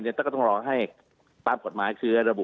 มันจะต้องรอให้ตั้งคงปรับกฎหมายเชื้อระบบ